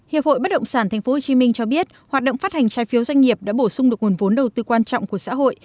hiệp hội bất động sản tp hcm cho biết hoạt động phát hành trái phiếu doanh nghiệp đã bổ sung được nguồn vốn đầu tư quan trọng của xã hội